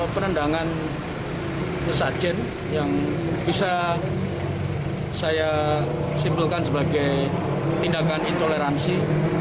penendangan sajen yang bisa saya simpulkan sebagai tindakan intoleransi